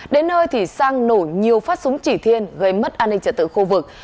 đến nơi thì sang nổ nhiều phát súng chỉ thiên gây mất an ninh trật tự khu vực